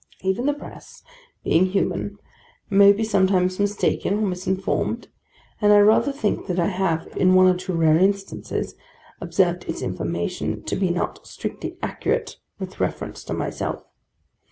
Even the Press, being human, may be sometimes mistaken or misinformed, and I rather think that I have in one or two rare instances observed its information to be not strictly accurate with reference to myself.